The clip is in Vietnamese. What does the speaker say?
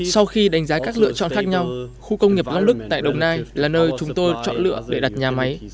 sau khi đánh giá các lựa chọn khác nhau khu công nghiệp long đức tại đồng nai là nơi chúng tôi chọn lựa để đặt nhà máy